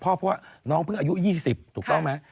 เพราะว่าน้องเพิ่งอายุ๒๐ถูกต้องไหม